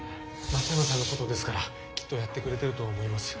・松山さんのことですからきっとやってくれてると思います。